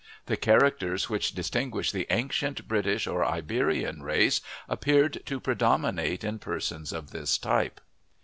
The characters which distinguish the ancient British or Iberian race appeared to predominate in persons of this type.